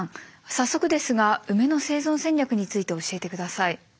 早速ですがウメの生存戦略について教えて下さい。